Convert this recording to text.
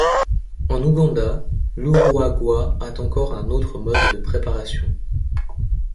En Ouganda, l'Urwagwa a encore un autre mode de préparation.